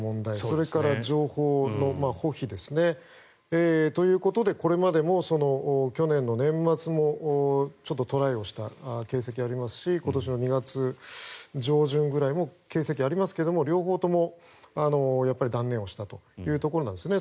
それから情報の保秘ですねということでこれまでも去年の年末もトライをした形跡がありますし今年の２月上旬くらいも形跡がありますが、両方とも断念をしたというところです。